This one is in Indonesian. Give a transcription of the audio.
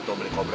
ketua beli kobra